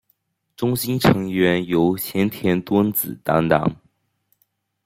中心成员由前田敦子担当。